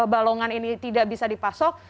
balongan ini tidak bisa dipasok